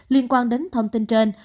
liên quan đến thông tin trên